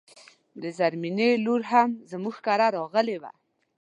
د زرمينې لور هم زموږ کره راغلی و